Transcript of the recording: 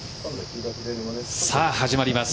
さあ、始まります